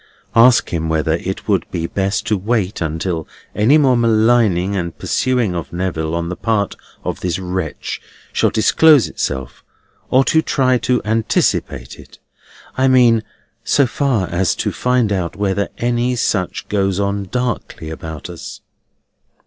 "Ask him whether it would be best to wait until any more maligning and pursuing of Neville on the part of this wretch shall disclose itself, or to try to anticipate it: I mean, so far as to find out whether any such goes on darkly about us?"